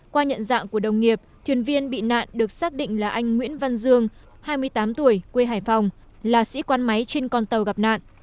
qua nhận dạng của đồng nghiệp thuyền viên bị nạn được xác định là anh nguyễn văn dương hai mươi tám tuổi quê hải phòng là sĩ quan máy trên con tàu gặp nạn